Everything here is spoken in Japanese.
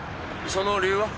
その理由は？